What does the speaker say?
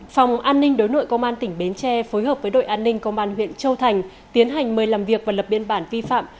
phòng an ninh đối nội công an tỉnh bến tre phối hợp với đội an ninh công an huyện châu thành tiến hành mời làm việc và lập biên bản vi phạm